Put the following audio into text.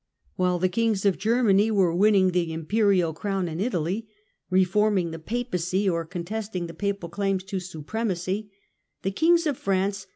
While the kings of Germany were winning the imperial crown in Italy, reforming the Papacy, or con testing the papal claims to supremacy, the kings of France